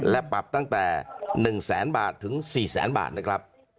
และปรับตั้งแต่๑แสนบาทถึง๔แสนบาทนะครับ